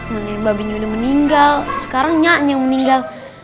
mendingan babi nyuli meninggal sekarang nyaknya yang meninggal